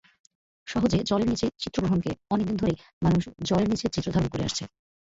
সহজে জলের নিচে চিত্রগ্রহণঅনেক দিন ধরেই মানুষ জলের নিচের চিত্র ধারণ করে আসছে।